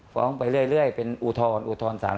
ฟ้องไปเรื่อยเป็นอุทธรรมอุทธรรมศาล